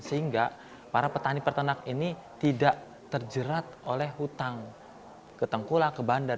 sehingga para petani peternak ini tidak terjerat oleh hutang ke tengkula ke bandar